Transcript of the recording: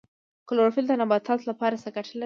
کلوروفیل د نبات لپاره څه ګټه لري